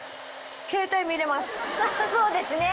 そうですね。